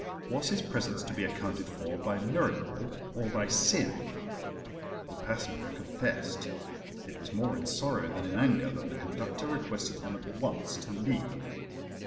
Was his presence to be accounted for by miracle or by sin? The passenger confessed. It was more in sorrow than in anger that the conductor requested him at once to leave.